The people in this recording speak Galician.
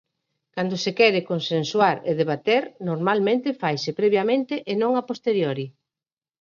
Cando se quere consensuar e debater, normalmente faise previamente e non a posteriori.